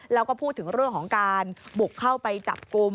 แล้วก็พูดถึงเรื่องของการบุกเข้าไปจับกลุ่ม